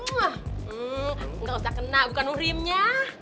enggak usah kena bukan urimnya